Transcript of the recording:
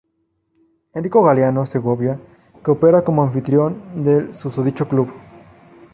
Erico Galeano Segovia que opera como anfitrión del susodicho club.